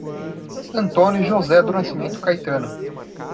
Antônio José do Nascimento Caetano